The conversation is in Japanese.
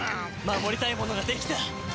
守りたいものができた。